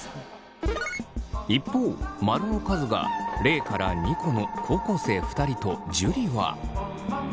一方マルの数が０２個の高校生２人と樹は。